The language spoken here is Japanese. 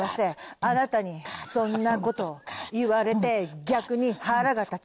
「あなたにそんな事言われて逆に腹が立つ」